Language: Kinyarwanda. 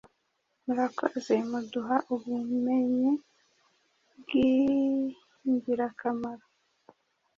murakoze muduha ubumenye bw’injyirakamaro